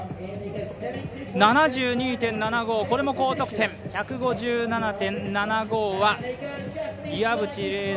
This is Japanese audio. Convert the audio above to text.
７２．７５、これも高得点、１５７．７５は岩渕麗